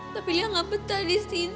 tapi lia gak betah di sini